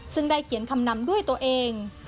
ซึ่งได้เขียนคำนำด้วยตัวเอง